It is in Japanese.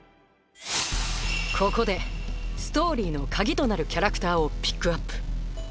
ここでストーリーの鍵となるキャラクターをピックアップ！